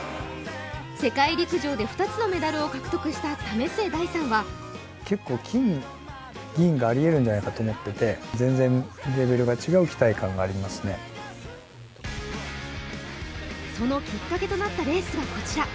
世界陸上で２つのメダルを獲得した為末大さんはそのきっかけとなったレースがこちら。